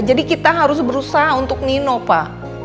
jadi kita harus berusaha untuk nino pa